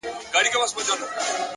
علم د فکر د پراختیا بنسټ دی,